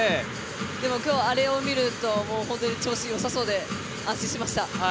今日、あれを見ると本当に調子がよさそうで安心しました。